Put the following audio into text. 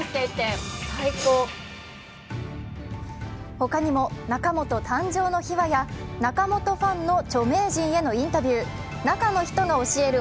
ほかにも中本誕生の秘話や中本ファンの著名人へのインタビュー、中の人が教える